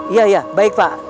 iya baik pak